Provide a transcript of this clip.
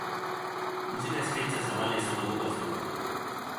Musika eskaintza zabala izango dugu asteburuan.